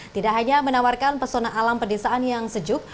tidak hanya menawarkan pesona alam pedesaan yang sejuk